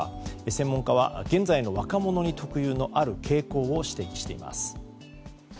専門家は現在の若者に特有のある傾向を指摘しています。